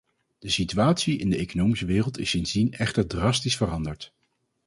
De situatie in de economische wereld is sindsdien echter drastisch veranderd.